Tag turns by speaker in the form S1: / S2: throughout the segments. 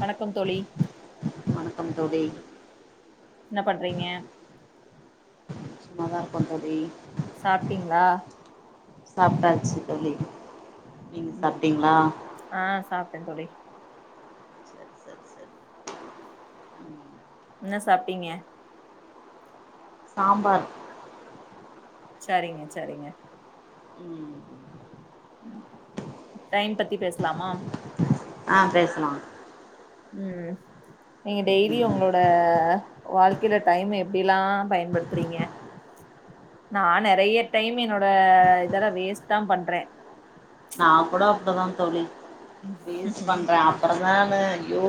S1: வணக்கம் தோழி
S2: வணக்கம் தோழி
S1: என்ன பண்றீங்க
S2: சும்மா தா இருக்கோ தோழி
S1: சாப்ட்டீங்ளா
S2: சாப்ட்டாச்சு தோழி நீங்க
S1: ஆ சாப்ட்டேந் தோழி
S2: சேரி சேரி சேரி ம்
S1: என்ன சாப்ட்டீங்க
S2: சாம்பார்
S1: சரிங்க சரிங்க
S2: ம்
S1: ம் டைம் பத்தி பேசலாமா
S2: ஆ பேசலா
S1: ம் நீங்க டெய்லி
S2: ம்
S1: உங்களோட வாழ்க்கையில டைம் எப்டிலா பயன்படுத்துறீங்க நா நெறைய டைம் என்னோட இதெல்ல வேஸ்ட் தா பண்றே
S2: நா கூட அப்டிதா தோழி வேஸ்ட் பண்றே அப்பற நானு ஐயோ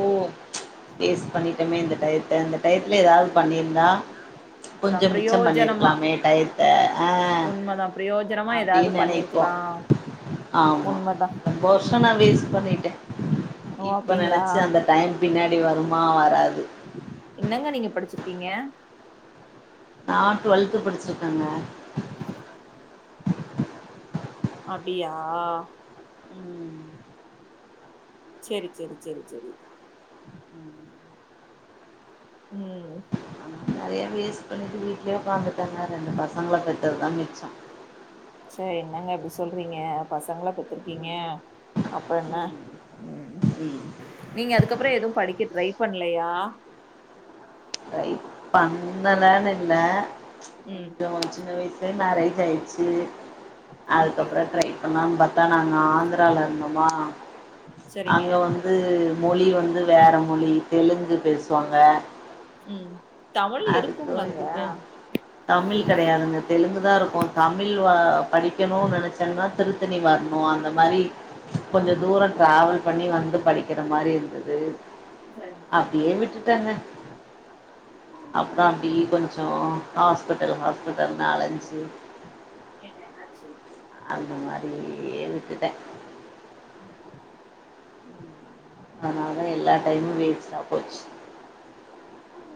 S2: வேஸ்ட் பண்ணிட்டமே இந்த டயத்த இந்த டயத்துல எதாவ்து பண்ணியிருந்தா
S1: அதா
S2: கொஞ்சோ மிச்சம்
S1: பிரயோஜனமா
S2: பண்ணிருக்லாமே டயத்த ஆ
S1: உண்மதா பிரயோஜனமா ஏதாவது
S2: அப்டின் நெனைப்போ
S1: பண்ணிருக்கலா
S2: ஆமா
S1: உண்மதா
S2: ரொம்ப வர்ஷ நா வேஸ்ட் பண்ணிட்டே
S1: ஓ
S2: இப்ப
S1: அப்டிங்களா
S2: நெனைச்ச அந்த டைம் பின்னாடி வருமா வராது
S1: என்னங்க நீங்க படிச்சிருக்கீங்க?
S2: நா டுவெல்த்து படிச்சிருக்கங்க
S1: அப்டியா
S2: ம்
S1: சேரி சேரி சேரி சேரி ம்
S2: டைம் வேஸ்ட் பண்ணிட்டு வீட்லயே உக்காந்துட்டங்க ரெண்டு பசங்கள பெத்ததுதா மிச்சோ
S1: ச்ச என்னங்க இப்படி சொல்றீங்க பசங்கள பெத்துருக்கீங்க அப்றோ என்ன
S2: ம்
S1: ம்
S2: ம்
S1: நீங்க அதுக்கப்றோ எது படிக்க ட்ரை பண்லையா
S2: ட்ரை பண்ணலனு இல்ல
S1: ம்
S2: கொஞ்சோ சின்ன வய்ஸ் லே மேரேஜ் ஆயிட்ச்சு
S1: ஓகே
S2: அதுக்கப்றோ ட்ரை பண்லாம் பாத்தா நாங்க ஆந்திரால இருந்தோமா
S1: சரிங்க
S2: அங்க வந் து மொழி வந்து வேற மொழி தெலுங்கு பேசுவாங்க
S1: ம் தமிழ்
S2: அதுக்கும்
S1: இருக்கும்லங்க
S2: இதுக்கும் தமிழ் கெடையாதுங்க தெலுங்கு தா இருக்கு தமிழ் வ படிக்கணு நெனச்சன்னா திரு த்தனி வரணு அந்த மாரி கொஞ்ச தூரோ டிராவல் பண்ணி வந்து படிக்கிற மாரி இருந்துது
S1: சரிங்க சரிங்க
S2: அப்டியே விட்டுட்டங்க அப்றோ அப்டி கொஞ்சோ ஹாஸ்பிட்டல் ஹாஸ்பிட்டல்னு அழஞ்சு
S1: ஏ என்ன ஆச்சு
S2: அந்த மாதிரியே விட்டுட்டே
S1: ம்
S2: அதனால எல்லா டைமு வேஸ்ட்டா போச்சு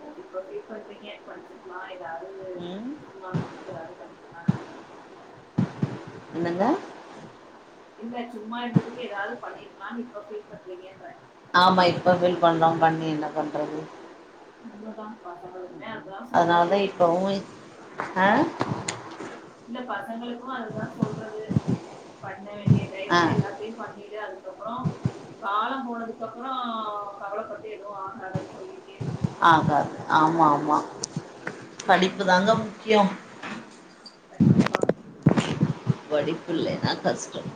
S1: ஓ இப்ப ஃபீல் பண்றீங்க படிச்சிருக்கலா ஏதாது
S2: ம்
S1: சும்மா அங்க இருக்கு ஏதாவது பண்ணிருக்கலா
S2: என்னங்க
S1: இல்ல சும்மா இருந்ததுக்கு ஏதாவது பண்ணிருக்கலான்னு இப்ப ஃபீல் பண்றீங்கன்ற
S2: ஆமா இப்ப ஃபீல் பண்றோ பண்ணி என்ன பண்றது
S1: உண்மதா பசங்களுக்குமே அதுதா
S2: அதனால
S1: சொல்றது
S2: தா இப்பவு ஆ
S1: இல்ல பசங்களுக்கு அதுதா சொல்றது பண்ண வேண்டிய
S2: ஆ
S1: டயத்துல எல்லாத்தையு பண்ணிடு அதுக்கப்புற காலம் போனதுக்குப்புற கவலைப்பட்டு எதுவு ஆகாது சொல்லிட்டேருக்கறது
S2: ஆகாது ஆமா ஆமா படிப்பு தாங்க முக்கியோ
S1: கண்டிப்பா
S2: படிப்பு இல்லைன்னா கஷ்டம்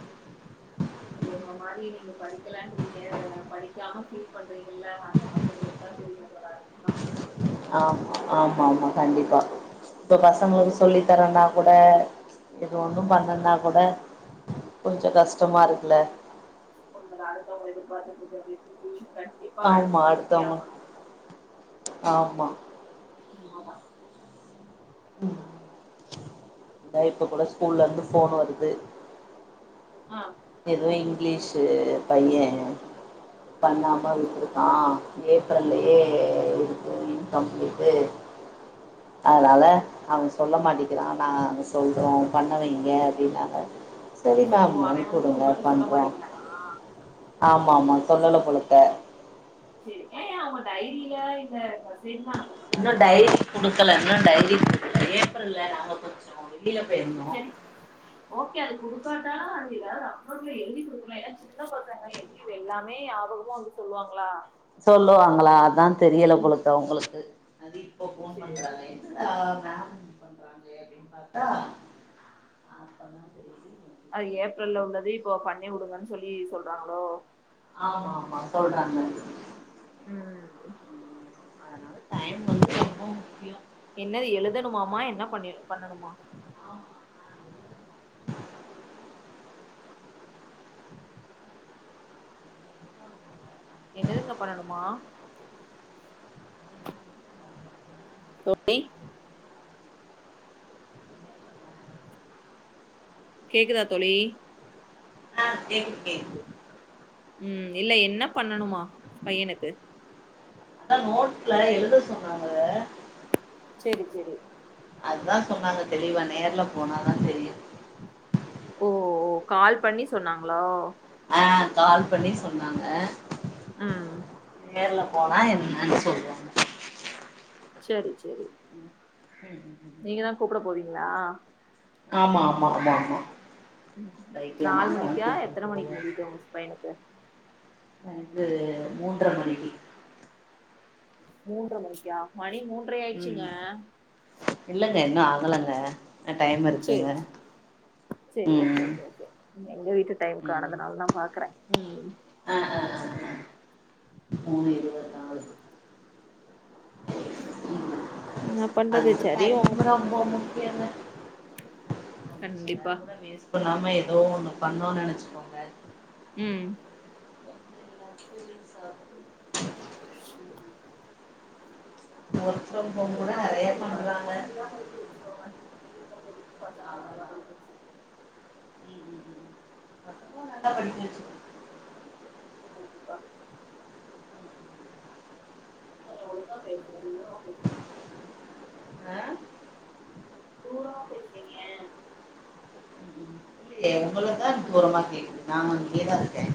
S1: அது உங்க மாரி நீங்க படிக்கலன்றீங்க படிக்காம ஃபீல் பண்றீங்கல்ல அந்த மாரி உங்களுக்கு நல்லா தெரியு போல அதுக்கு தா
S2: ஆமா ஆமா ஆமா கண்டிப்பா இப்ப பசங்களுக்கு சொல்லி தரன்னா கூட இது ஒண்ணும் பண்ணல்னா கூட கொஞ்ச கஷ்டமா இருக்குல்ல
S1: ஒன்னு நடத்த எதிர்பார்த்துட்ருக்கறது ட்யூஷன்
S2: ஆமா அடுத்தவுங்க ஆமா
S1: ஆமா
S2: தா இப்ப கூட ஸ்கூல்ல இருந்து ஃபோன் வருது
S1: ஆ
S2: எதுவு இங்கிலீஷு பைய பண்ணாம
S1: ம்.
S2: விட்டுருக்கா
S1: ஓ
S2: ஏப்ரல்லயே இருக்கு இன்கம்ப்ளீட்டு அதனால அவுங்க சொல்ல மாட்டிக்கிறா நாங்க சொல்றோ பண்ண வைங்க அப்டின்னாங்க சரி
S1: ஓ,
S2: மேம்
S1: அவன் வந்து
S2: அனுப்பிடுங்க
S1: உங்கள்கிட்ட சொல்ல
S2: பண்றோ
S1: மாட்டேங்கிறானா
S2: ஆமா ஆமா சொல்லல போலக்க
S1: [inaudible]
S2: இன்னும் டைரி கொடுக்கல இன்னு டைரி கொடுக்கல ஏப்ரல்ல நாங்க கொஞ்சோ வெளியில போயிருந்தோ
S1: சரி ஓகே அது கொடுக்காட்டாலு அது வேற எதாது ரஃப் நோட்ஸ் எழுதி கொடுக்கல ஏனா சின்ன பசங்க இது எல்லாமே ஞாபகமா வந்து சொல்லுவாங்களா
S2: சொல்லுவாங்களா அதா தெரியல
S1: ம்
S2: போலருக்கு அவுங்களுக்கு [unintelligible]
S1: சரி
S2: அப்டின்னு பாத்தா அப்பதான் தெரியுது மெசேஜ்
S1: அது ஏப்ரல்ல
S2: பண்ணிருக்காங்க
S1: உள்ளது இப்போ பண்ணி விடுங்கன்னு சொல்லி சொல்றாங்களோ
S2: ஆமா ஆமா சொல்றாங்க
S1: ம்
S2: அதனால டைம் வந்து
S1: என்
S2: ரொம்ப முக்கியம்
S1: என்னது எழுதணுமாமா என்ன பண்ணி பண்ணணுமா
S2: ஆமா நா எழுதணு
S1: என்னதுங்க பண்ணணுமா தோழி கேக்குதா தோழி
S2: ஆ கேக்குது கேக்குது
S1: ம் இல்ல என்ன பண்ணணுமா பையனுக்கு
S2: ஆ நோட்ல எழுத சொன்னாங்க
S1: செரி செரி
S2: அதான் சொன்னாங்க தெளிவா நேர்ல போனாதான் தெரியு
S1: ஓ ஓ கால் பண்ணி சொன்னாங்களா
S2: ஆ கால் பண்ணி சொன்னாங்க
S1: ம்
S2: நேர்ல போனா என்னன்னு சொல்வாங்க
S1: செரி செரி
S2: [unintelligible]
S1: நீங்க தான் கூப்ட போவீங்களா
S2: ஆமா மா மா மா
S1: ம்
S2: ரைக்கல நான் தான் கூப்ட போவோம்
S1: ஜூஸ் பையனுக்கு
S2: இந்த மூன்றரை மணிக்கு
S1: மூன்றர மணிக்கா மணி மூணு
S2: ம் இல்லங்க இன்னு ஆகலங்க இன்னு டயம்‌ இருக்
S1: சேரி செரி சரி ஓகே
S2: ம்
S1: கே கே எங்க வீட்டு டைம்
S2: ம்
S1: கானதுனால தான் பாக்கற
S2: ஆ ஆ மூனு இருவது
S1: என்ன பண்றது
S2: அந்த
S1: சரி உங்
S2: டைமிங் ரொம்ப முக்கியம்ங்க
S1: கண்டிப்பா
S2: கூட வேஸ்ட் பண்ணாம ஏதோ ஒண்ணு பண்ணோனு நெனச்சுக்கோங்க
S1: ம்
S2: [inaudible]
S1: [unintelligible]
S2: வாட்ஸாப்ப்
S1: இப்ப அவ்ளோதான் பசங்களா நீங்க எல்லா எடுத்து வச்சுக்கோங்க பசங்கள நல்லா படிக்க வச்சுக்கோங்க
S2: நல்லா படிக்க‌வச்சு
S1: நன்றிப்பா அவுரு தான் பேசணு
S2: ஆ
S1: தூரமா பேசுரீங்க
S2: இல்ல உங்களுதுதான் தூரமா கேக்குது நான் இங்கே தான் இருக்கேன்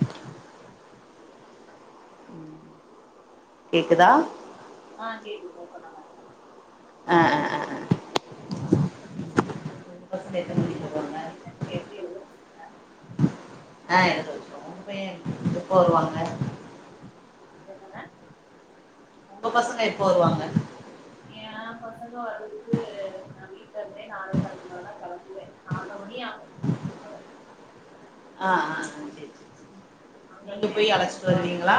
S2: கேக்குதா
S1: ஆ கேக்குது [unintelligible]
S2: ஆ ஆ உங்க பசங்க எத்தன மணிக்கு வருவாங்க
S1: [unintelligible]
S2: ஆ எம் உன் இப்ப வருவாங்க
S1: என்னன்ன
S2: உங்க பசங்க எப்போ வருவாங்க
S1: ஏன் பசங்க வர்றதுக்கு நான் வீட்டுல இருந்தே நாலே ஹாலுக்கு மேல தான் கெளம்புவேன் நால்ர மணி ஆகு
S2: ஆ ஆ சேரி
S1: அங்க
S2: நீங்க
S1: இருந்தே
S2: போய் அழச்சிட்டு
S1: போனேன்ப்பா
S2: வருவீங்களா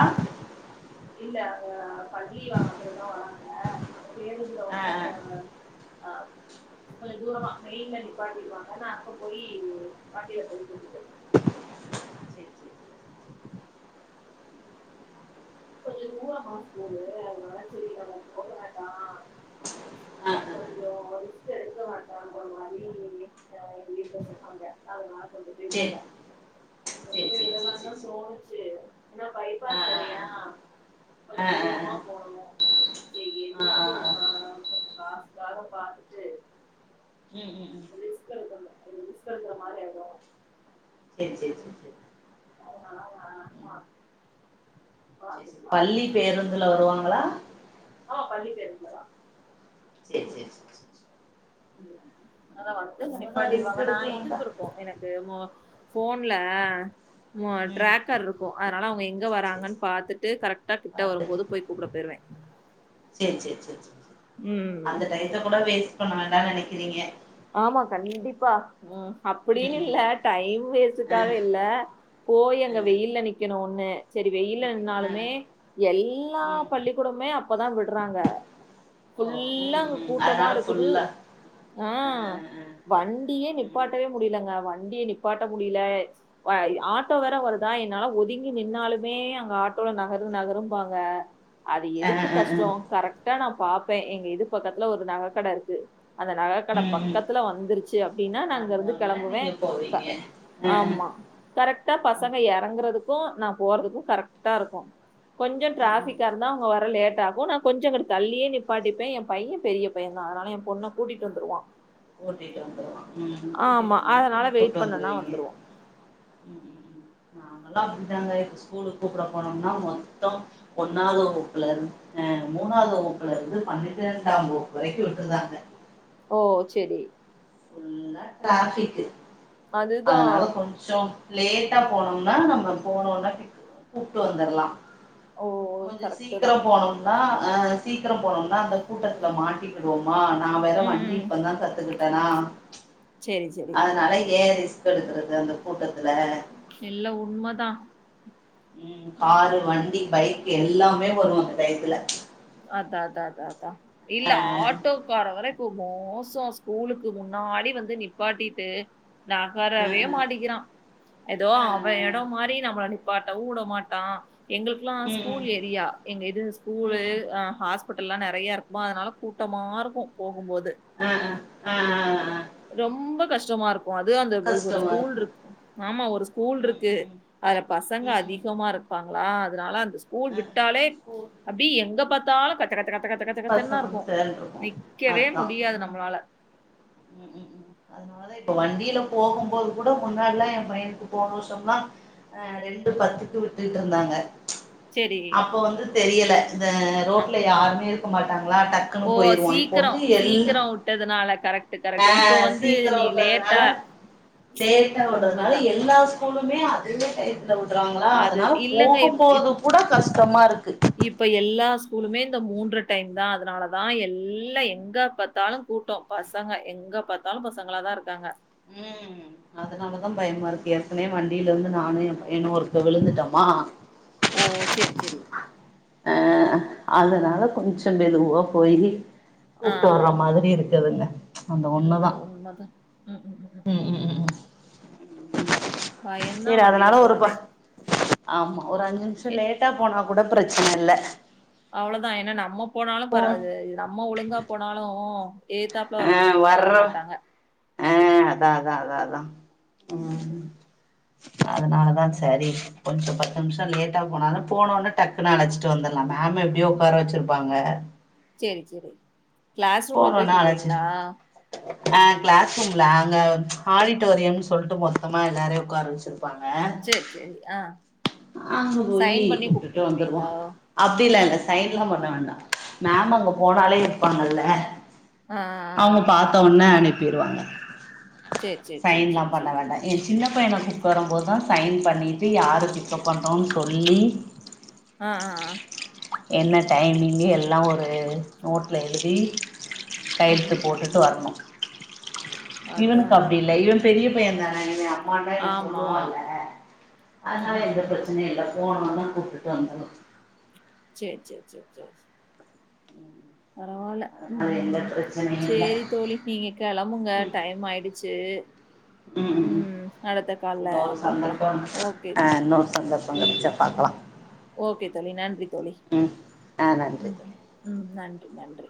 S1: இல்ல அங்க பள்ளி வாகனத்துலதான் வராங்க அந்த கேடுல
S2: ஆ
S1: வந்து
S2: ஆ
S1: அங்க
S2: ஆ
S1: ஆ கொஞ்ச தூரமா மெயின்ல நிப்பாட்டி இருவாங்க நா அங்கபோயி வண்டியில போய் கூட்டிட்டு வந்துருவ
S2: சரி
S1: கொஞ்ச தூர மாஸ் போடு அதனால செரி நம்ம இப்ப போக வேண்டா கொஞ்சோ ரிஸ்க் எடுக்க வேண்டான்ற மாரி ஆ வீட்ல சொன்னங்க அதனால கொண்டு போய்
S2: செரி
S1: விடல கொண்டு போய் விடலான் தா தோணுச்சு என்ன
S2: ஆ
S1: பைப்பாஸ்
S2: ஆ
S1: வேறையா
S2: ஆ ஆ
S1: போனு சேர்
S2: ஆ ஆ
S1: எதுக்கு
S2: ஆ ஆ
S1: நம்ம கொஞ்ச காசுக்காக பாத்துட்டு
S2: ம் ம் ம்
S1: [inaudible] அது மிஸ் பண்ற மாரி ஆயிடு
S2: சேர் சேர் சேர் சேரி
S1: அதுனால அவுங்க வேணான் [inaudible]
S2: சரி சரி பள்ளி
S1: அப்படின்னு
S2: பேருந்துல வருவாங்களா
S1: ஆ பண்ணி தரீங்களா
S2: சேர் சேர் சேர் சேர் சேர்
S1: அத வந்து
S2: ரொம்பதா ரிஸ்க்
S1: நிப்பாடிடுவாங்க நா
S2: எடுத்து வந்தா
S1: இதுக்கு இருக்கோ எனக்கு மொ போன்ல
S2: ம்
S1: ட்ராக்கர் இருக்கு அதனால அவுங்க எங்க
S2: சரி
S1: வராங்கன்னு
S2: சரி
S1: பாத்துட்டு கரெக்டா கிட்ட வரும்போது போய் கூப்பட போயிடுவே
S2: சேர் சேர் சேர் சேர் சேர்
S1: ம்
S2: அந்த டையத்த கூட வேஸ்ட் பண்ண வேண்டானு நெனைக்கிறீங்க
S1: ஆமா கண்டிப்பா ம் அப்டினு
S2: ம்
S1: இல்ல டைம் வேஸ்ட்
S2: ம் ஆ
S1: காக இல்ல போய்
S2: ஆ
S1: அங்க வெயில்ல நிக்கணும் ஒன்னு செரி வெயில
S2: இன்னைக்கு ஆ
S1: நின்னாலுமே எல்லா
S2: ம்
S1: பள்ளிக்கூடமே அப்பதா விட்றாங்க
S2: ஓ
S1: ஃபுல்லா
S2: ம்
S1: அங்
S2: ம்
S1: கூட்டமா
S2: அதனால
S1: இருக்குது
S2: ஃபுல்லா
S1: ஆ
S2: ஆ ஆ
S1: வண்டியே
S2: ம்
S1: நிப்பாட்டவே முடிலங்க வண்டிய நிப்பாட்ட முடில ஆட்டோ வேற வருதா என்னால ஒதுங்கி நின்னாலுமே அங்க ஆட்டோல நகரு நகருபாங்க அது எதுக்கு
S2: ஆ ஆ ஆ
S1: கஷ்டோ கரெக் டா நா பாப்பே எங்க இது பக்கத்துல ஒரு நகக்கட இருக்கு அந்த நக நககட
S2: ம் ம்
S1: பக்கத்துல வந்துருச்சு அப்டின்னா நா அங்க இருந்து
S2: வந்தோனே
S1: கெளம்புவே
S2: நீங்க போவீங்க ஆ ஆ
S1: ஆமா கரெக்டா
S2: ம்
S1: பசங்க இறங்குறதுக்கு நா போறதுக்கு கரெக்ட்டா இருக்கு கொஞ்சோ
S2: ம் ம்
S1: ட்ராஃபிக்கா இருந்தா அவுங்க வர லேட் ஆகு நா கொஞ்ச இங்கிட்டு தள்ளியே நிப்பாட்டிபே என் பையன் பெரிய பையன்தா அதனால என் பொண்ண கூட்டிட்டு வந்துடுவான்
S2: கூட்டிட்டு வந்துருவா ம் கூட்டிட்டு
S1: ஆமா
S2: வந்தோன்னே
S1: அதனால
S2: நீங்க
S1: வெயிட்
S2: கூப்ட்டு
S1: பண்ணனா
S2: வந்துருவீங்க
S1: வந்துருவா
S2: எல்லா அப்டிதாங்க இப்ப ஸ்கூலு கூப்பட போனோம்னா மொத்தோ ஒன்னாவது வகுப்புல இரு அ மூணாது வகுப்புல இருந்து பன்னிரெண்டாம் வகுப்பு வரைக்கு விட்டுர்றாங்க
S1: ஓ செரி
S2: ஃபுல்லா ட்ராபிக்கு
S1: அதுதா
S2: அதனால கொஞ் சோ லேட்டா போனோம்னா நம்ம போனோனா கூப்ட்டு வந்தர்லா
S1: ஓ
S2: கொஞ்ச சீக்கிர
S1: கரெக்ட்டுதா
S2: போணு னா சீக்கிரம் போனோம்னா அந்த கூட்டத்துல் மாட்டிடுவோமா நா வேற
S1: ம்
S2: வண்டி
S1: ம்
S2: இப்ப தா கத்துக்கிட்டனா
S1: செரி செரி
S2: அதனால ஏன் ரிஸ்க் எடுக்கறது அந்த கூட்டத்துல
S1: எல்லா உண்மதா
S2: ம் காரு வண்டி பைக் எல்லாமே வரு அந்த டயத்துல
S1: அதா அதா அதா அதா இல்ல
S2: ஆ
S1: ஆட்டோ கார வர இப்போ மோசோ ஸ்கூலுக்கு முன்னாடி வந்து நிப்பாட்டிட்டு நகரவே
S2: ஆ
S1: மாட்டிக்கிறான் ஏதோ
S2: ஆ
S1: அவ
S2: ஆ
S1: இடம் மாறி நம்மள நிப் பாட்டவு உட மாட்டா எங்களுக்குலா ஸ்கூல்
S2: ம்
S1: ஏரியா எங்க இது
S2: ம்
S1: ஸ்கூலு
S2: ம்
S1: ஆ ஹாஸ்பிட்டல்லா நெறையா இருக்குமா அதுனால கூட்டமா இருக்கு போகும்போது
S2: ஆ ஆ ஆ ஆ
S1: ரொம்ப கஷ்டமா இருக் கு அது அந்த ஒ ஒரு
S2: கஷ்டமா
S1: ஸ்கூல்
S2: இருக்கு
S1: இருக் ஆமா ஒரு ஸ்கூல்
S2: ம்
S1: இருக்கு
S2: ம்
S1: அதுல பசங்க
S2: ம் ம் ம்
S1: அதிகமா இருக் ப்பாங்ளா அதுனால அந்த ஸ்கூல்
S2: ஆ
S1: விட்டாலே
S2: ஸ்கூல்
S1: அப்டி எங்க பாத்தாலு கச்ச கச்ச கச்ச கச்ச கச் ச்ச கச்சந்தா
S2: பசங்க
S1: இருக்கு
S2: சேந்துருக்கு
S1: நிக்கவே
S2: அதா
S1: முடியாது
S2: ம்
S1: நம்மளால
S2: ம் ம் ம் அதனாலா இப்ப வண்டில போகும்போது கூட முன்னாடிலா எ பையனுக்கு போன வருஷம்லா அ ரெண்டு பத்துக்கு விட்டுட்ருந்தாங்க
S1: சரி.
S2: அப்ப வந்து தெரியல இந்த
S1: ஆ.
S2: ரோட்ல யாருமே இருக்க மாட்டாங்ளா டக் க்குனு
S1: ஓ!
S2: போயிருவோ இப்போ வந்து
S1: சீக்கிரம்,
S2: எல்
S1: சீக்கிரம் விட்டதுனால. கரெக்ட்,
S2: ஆ
S1: கரெக்ட். இப்போ வந்து
S2: சீக்கர
S1: நீ
S2: வுட்டதுனால
S1: லேட்டா
S2: லேட்டா விட்றதுனால
S1: உண்மதான்.
S2: எல்லா ஸ்கூலுமே அதவே டயத்துல விட்றாங்களா
S1: அது
S2: அதனால
S1: இல்லங்க. இப் இப்
S2: போகம்போது கூட கஷ்டமா இருக்கு
S1: இப்ப எல்லா ஸ்கூலுமே இந்த மூன்ற டைம் தா அதனால தா எல்லா எங்க பாத்தாலு கூட்டோ பசங்க எங்க பாத்தாலு பசங்களா தா இருக்காங்க
S2: ம் அதனாலதா பயமா இருக்கு ஏற்கனே வண்டிலருந்து நானு எ பையனு ஒருக்க விழுந்துட்டமா
S1: ஓ சேரி சேரி
S2: அ அதனால கொஞ்ச மெதுவா போயி
S1: ஆ.
S2: கூப்ட்டு வர்ற மாதிரி இருக்குதுங்க அந்த ஒன்னுதா ம் ம்
S1: பயம்
S2: சேரி
S1: தான் வண்டியில
S2: அதனால ஒரு இப்ப
S1: போறதே.
S2: ஆமா ஒரு அஞ்சு நிம்ஷ
S1: எ
S2: லேட்டா போனா கூட பிரச்சன இல்ல
S1: அவளதா ஏனா நம்ம போனாலு
S2: போ
S1: பராது இது நம்ம ஒழுங்கா போனாலு ஏதுத்தாப்ல
S2: ஆ
S1: வர்றவ்ங்க ஒழுங்கா
S2: வர்ற
S1: வரமாட்டாங்க
S2: ஆ அதா அதா அதா அதா ம் அதனாலதா சரி கொஞ்ச பத்து நிம்ஷம லேட்டா போனாலு போனோன டக் க்குன்னு அழச்சிட்டு வந்துற்லா மேம் எப்டியு உக்கார வெச்சுருப்பாங்க
S1: சேரி சேரி கிளாஸ் ரூம்ல போய் கூப்டுவீங்ளா
S2: அ கிளாஸ் ரூம்ல அங்க ஆடிட்டோரியம்ன் சொல்ட்டு மொத்தமா எல்லாரையு உக்கார வச்சு இருப்பாங்க
S1: சேரி சேரி ஆ
S2: அங்க போயி
S1: சைன் பண்ணி
S2: கூப்ட்டுட்டு வந்துருவோ
S1: கூப்பிட்டுருவீங்களா?
S2: அப்டிலா இல்ல சைன்லா பண்ண வேண்டா மேம் அங்க போனாலே இருப்பாங்கல்ல
S1: ஆ, ஆ,
S2: அவ்ங்க
S1: ஆ.
S2: பாத்த ஒட்னே அனுப்பிருவாங்க
S1: சேரி சேரி சேரி
S2: சைன்லா
S1: சேரி
S2: பண்ண
S1: சேரி
S2: வேண்டா எ சின்ன பையன கூப்ட்டு வரம் போது தா சைன் பண்ணிட்டு யாருக்கு இப்ப பண்றோன்னு சொல்லி
S1: ஆ ஆ ஆ
S2: என்ன டைமிங்கு எல்லா ஒரு நோட்டல எழுதி
S1: ம் ம்
S2: கையெழுத்து
S1: ம் ம்
S2: போட்டுட்டு வர்ணூ
S1: அதா
S2: இவனுக்கு அப்டி இல்ல இவன் பெரிய பையந் தானே என்னய அம்மான்தா எனக்கு
S1: ஆமா
S2: சொல்லுவால்ல
S1: ம்
S2: அதனால
S1: ம்
S2: எந்த
S1: ம்
S2: பிரச்சனையு இல்ல போனோன தா கூப்டுட்டு வந்துற்லா
S1: சேரி சேர் சேர் சேர் சே பரவால்ல
S2: அதனால எந்த
S1: ம்
S2: பிரச்சனையு இல்ல
S1: சேரி தோழி நீங்க கெளம்புங்க டைம் ஆயிடுச்சு
S2: ம் ம்
S1: அடுத்த கால்ல
S2: ம்
S1: பாக்கலா ஓகே
S2: ஆ இன்னொரு சந்தர்ப்பம் கெடச்சா பாக்லா
S1: ஓக்கே தோழி நன்றி தோழி
S2: ஆ நன்றி
S1: ம்
S2: தோழி
S1: ம் ம் நன்றி நன்றி